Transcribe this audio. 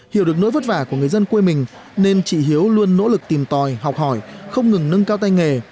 hiểu được nỗi vất vả của người dân quê mình nên chị hiếu luôn nỗ lực tìm tòi học hỏi không ngừng nâng cao tay nghề